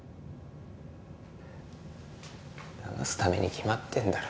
だますために決まってんだろ。